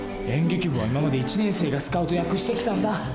演劇部は今まで１年生がスカウト役してきたんだ。